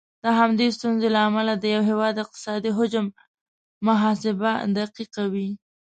د همدغه ستونزې له امله د یو هیواد اقتصادي حجم محاسبه دقیقه نه وي.